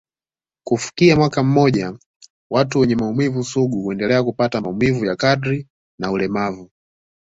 Kufikia mwaka mmoja, watu wenye maumivu sugu huendelea kupata maumivu ya kadri na ulemavu.